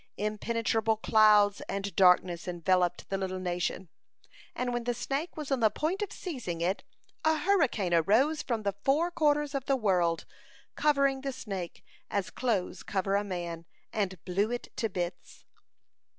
Impenetrable clouds and darkness enveloped the little nation, and when the snake was on the point of seizing it, a hurricane arose from the four corners of the world, covering the snake as clothes cover a man, and blew it to bits.